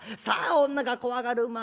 さあ女が怖がる。